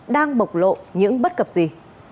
đang bộc lộ những bất cập gì